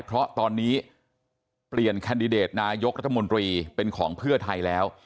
เพราะตอนนี้เปลี่ยนแคนดิเดตนายกรัฐมนตรีเป็นของเพื่อไทยแล้ว